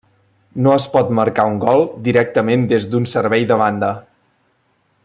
No es pot marcar un gol directament des d'un servei de banda.